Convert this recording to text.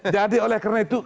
jadi oleh karena itu